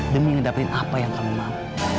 demi mendapatkan apa yang kamu mau